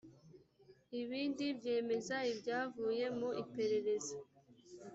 ibindi byemeza ibyavuye mu iperereza